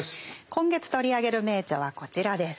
今月取り上げる名著はこちらです。